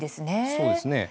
そうですね。